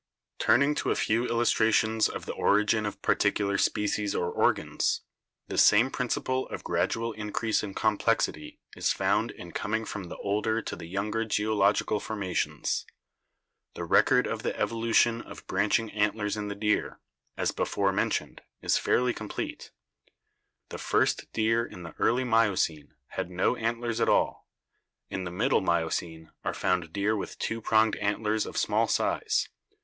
Turning to a few illustrations of the origin of par ticular species or organs, the same principle of gradual increase in complexity is found in coming from the older to the younger geological formations. The record of the evolution of branching antlers in the deer, as before men tioned, is fairly complete. The first deer in the early Mio cene had no antlers at all. In the middle Miocene are found deer with two pronged antlers of small size.